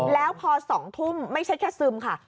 แล้วพอ๒ทุ่มไม่ใช่แค่ซึมค่ะ